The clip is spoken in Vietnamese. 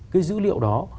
cái dữ liệu đó